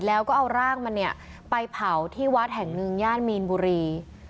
แล้วก็เอาร่างมันเนี่ยไปเผาที่วัดแห่งหนึ่งย่านมีนบุรี